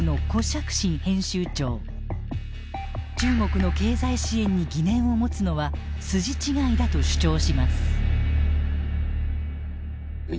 中国の経済支援に疑念を持つのは筋違いだと主張します。